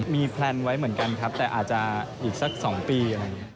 มีแพลนไว้เหมือนกันครับแต่อาจจะอีกสัก๒ปี